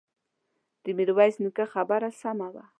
د ميرويس نيکه خبره سمه وه.